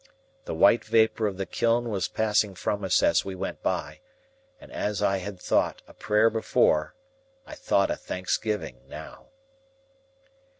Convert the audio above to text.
The white vapour of the kiln was passing from us as we went by, and as I had thought a prayer before, I thought a thanksgiving now.